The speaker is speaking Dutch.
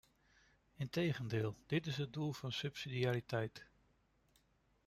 Integendeel, dit is het doel van de subsidiariteit.